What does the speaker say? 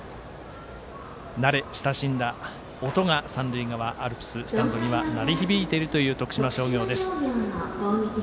慣れ親しんだ音が三塁側アルプス、スタンドに鳴り響いているという徳島商業です。